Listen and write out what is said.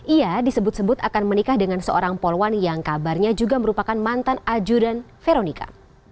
ia disebut sebut akan menikah dengan seorang polwan yang kabarnya juga merupakan mantan ajudan veronica